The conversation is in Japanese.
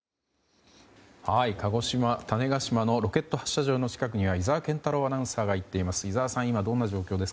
鹿児島種子島のロケット発射場の近くには井澤健太朗アナウンサーが行っています。